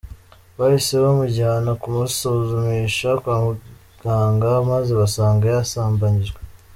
Bahise bamujyana kumusuzumisha kwa muganga maze basanga yasambanyijwe.